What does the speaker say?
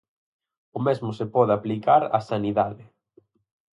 O mesmo se pode aplicar á sanidade.